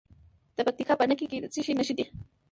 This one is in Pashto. د پکتیکا په نکې کې د څه شي نښې دي؟